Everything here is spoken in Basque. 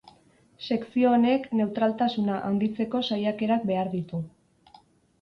Sekzio honek neutraltasuna handitzeko saiakerak behar ditu.